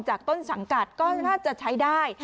ต้นสังกัดก็น่าจะใช้ได้